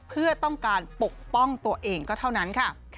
เพื่อต้องการปกป้องตัวเองก็เท่านั้นค่ะ